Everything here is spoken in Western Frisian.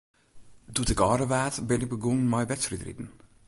Doe't ik âlder waard, bin ik begûn mei wedstriidriden.